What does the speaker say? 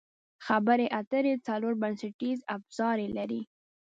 خبرې اترې څلور بنسټیز ابزار لري.